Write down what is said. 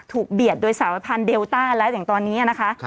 เบียดโดยสารพันธุเดลต้าแล้วอย่างตอนนี้นะคะ